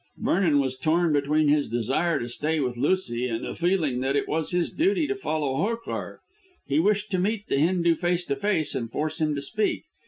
Vernon was torn between his desire to stay with Lucy and a feeling that it was his duty to follow Hokar. He wished to meet the Hindoo face to face and force him to speak.